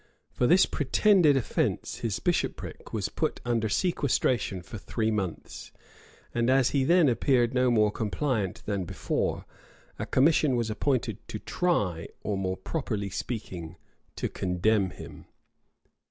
For this pretended offence his bishopric was put under sequestration for three months; and as he then appeared no more compliant than before, a commission was appointed to try, or, more properly speaking, to condemn him.